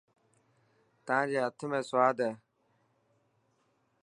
تان جي هٿ ۾ سواد هي.